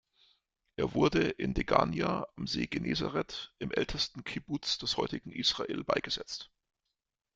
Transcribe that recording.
Er wurde in Degania am See Genezareth im ältesten Kibbuz des heutigen Israel beigesetzt.